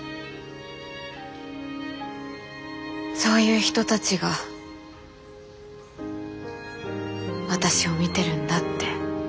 そういう人たちが私を見てるんだって。